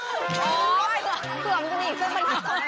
อ้อคุณสองคนไม่สังเกตเหรอ